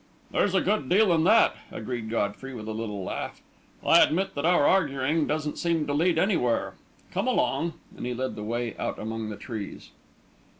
"There's a good deal in that," agreed Godfrey, with a little laugh. "I admit that our arguing doesn't seem to lead anywhere. Come along," and he led the way out among the trees.